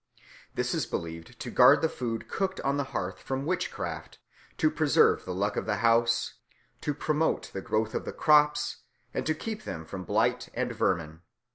This is believed to guard the food cooked on the hearth from witchcraft, to preserve the luck of the house, to promote the growth of the crops, and to keep them from blight and vermin.